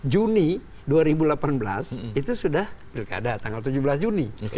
juni dua ribu delapan belas itu sudah pilkada tanggal tujuh belas juni